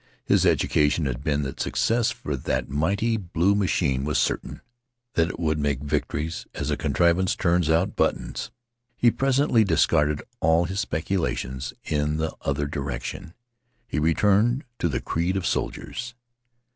His education had been that success for that mighty blue machine was certain; that it would make victories as a contrivance turns out buttons. He presently discarded all his speculations in the other direction. He returned to the creed of soldiers.